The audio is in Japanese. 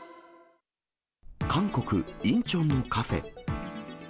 韓国・インチョンのカフェ。